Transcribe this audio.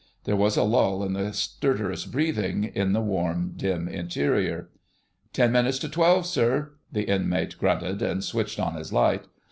There was a lull in the stertorous breathing, in the warm, dim interior. "Ten minutes to twelve, sir!" The inmate grunted and switched on his light.